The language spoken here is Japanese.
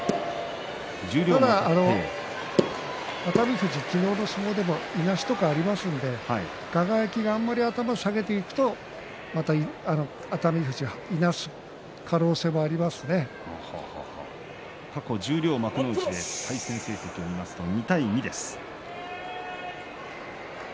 ただ、熱海富士は昨日の相撲でもいなしとかありますので輝があんまり頭を下げていくとまた熱海富士は過去十両幕内で対戦成績を見ますと２対２です。